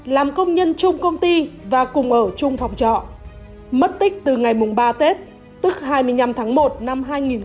làm công nhân chung công ty và cùng ở chung phòng trọ mất tích từ ngày ba tết tức hai mươi năm tháng một năm hai nghìn hai mươi